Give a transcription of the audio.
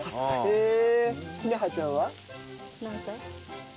へえ！